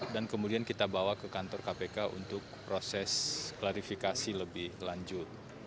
dan kemudian kita bawa ke kantor kpk untuk proses klarifikasi lebih lanjut